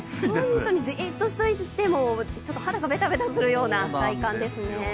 本当にじっとしていても、ちょっと肌がべたべたするような体感ですね。